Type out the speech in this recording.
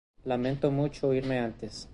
Lamento mucho irme antes.